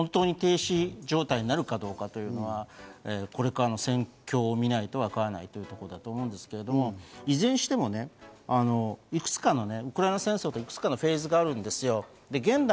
実際に停止状態になるかとは、これからの戦況をみないとわからないということだと思うんですけど、いずれにしても、いくつかの戦争のフェーズがあるんですよ。